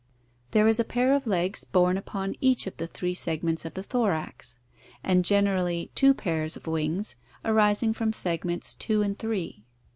There is a pair of legs borne upon each of the three segments of the thorax, and generally two pairs of wings, arising from segments two and three.